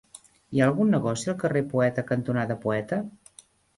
Hi ha algun negoci al carrer Poeta cantonada Poeta?